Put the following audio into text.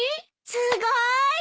すごい！